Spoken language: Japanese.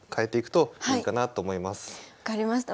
分かりました。